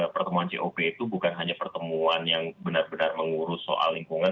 pertemuan cop itu bukan hanya pertemuan yang benar benar mengurus soal lingkungan